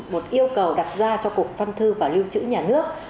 một yêu cầu đặt ra cho cục văn thư và lưu trữ nhà nước